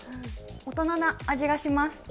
大人な味がします。